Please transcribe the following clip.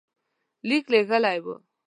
لیک لېږلی وو.